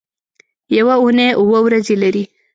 یوه اونۍ اووه ورځې لري